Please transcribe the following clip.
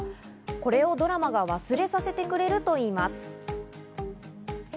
これをドラマが忘れさせてくれるといいます。